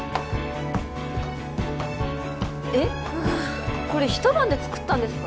えっこれ一晩で作ったんですか？